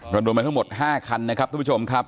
โดนมาทั้งหมด๕คันนะครับทุกผู้ชมครับ